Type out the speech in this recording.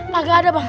kagak ada bang